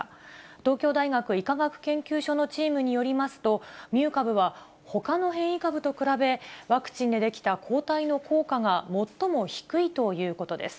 東京大学医科学研究所のチームによりますと、ミュー株はほかの変異株と比べ、ワクチンで出来た抗体の効果が最も低いということです。